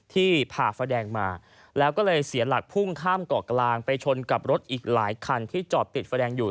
ผ่าไฟแดงมาแล้วก็เลยเสียหลักพุ่งข้ามเกาะกลางไปชนกับรถอีกหลายคันที่จอดติดไฟแดงอยู่